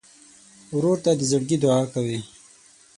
ورور ته د زړګي دعاء کوې.